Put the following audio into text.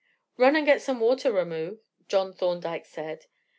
"Run and get some water, Ramoo," John Thorndyke said.